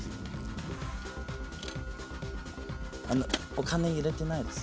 お金入れてないです？